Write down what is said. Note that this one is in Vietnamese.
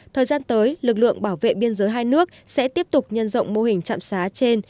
thời gian tới lực lượng bảo vệ biên giới hai nước sẽ tiếp tục nhân rộng mô hình trạm xá trên